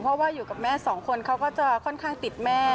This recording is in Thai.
เพราะว่าอยู่กับแม่สองคนเขาก็จะค่อนข้างติดแม่